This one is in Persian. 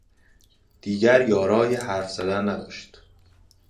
دیگر یارای حرف زدن نداشت